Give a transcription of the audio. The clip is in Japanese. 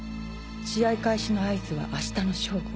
試合開始の合図は明日の正午。